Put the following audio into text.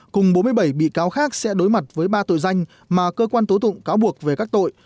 cùng bốn mươi bảy bị cáo khác sẽ đối mặt với ba tội danh mà cơ quan tố tụng cáo buộc về các tội